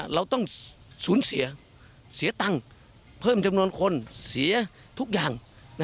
เราต้องสูญเสียเสียตังค์เพิ่มจำนวนคนเสียทุกอย่าง